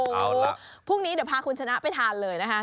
โอ้โหพรุ่งนี้เดี๋ยวพาคุณชนะไปทานเลยนะคะ